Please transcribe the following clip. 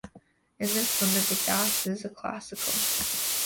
In this limit, the gas is classical.